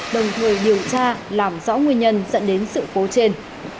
đồng thời điều tra làm rõ nguyên nhân dẫn đến sự cố trên